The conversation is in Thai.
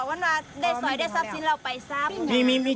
มีเจ็บบาสนานมีเจ็บมั้ย